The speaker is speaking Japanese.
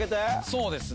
そうですね。